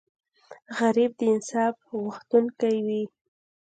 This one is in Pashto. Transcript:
غریب د انصاف غوښتونکی وي